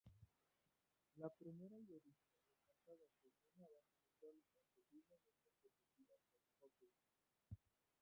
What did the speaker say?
La primera y original es cantada sobre una base electrónica posiblemente protegida por copyright.